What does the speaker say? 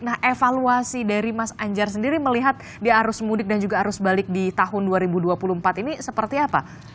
nah evaluasi dari mas anjar sendiri melihat di arus mudik dan juga arus balik di tahun dua ribu dua puluh empat ini seperti apa